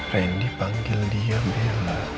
randy panggil dia bella